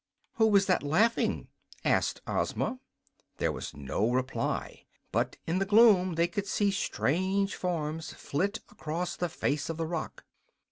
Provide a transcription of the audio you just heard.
"Who was that laughing?" asked Ozma. There was no reply, but in the gloom they could see strange forms flit across the face of the rock.